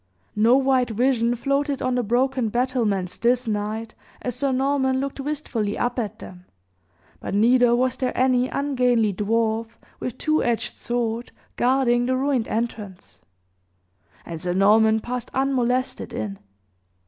No white vision floated on the broken battlements this night, as Sir Norman looked wistfully up at them; but neither was there any ungainly dwarf, with two edged sword, guarding the ruined entrance; and Sir Norman passed unmolested in.